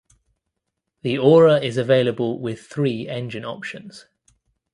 The Aura is available with three engine options.